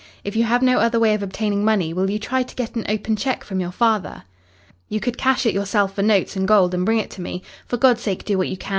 If you have no other way of obtaining money, will you try to get an open cheque from your father? You could cash it yourself for notes and gold and bring it to me. For God's sake do what you can.